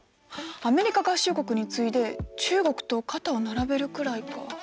アメリカ合衆国に次いで中国と肩を並べるくらいか。